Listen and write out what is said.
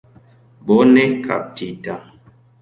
Bone kaptita.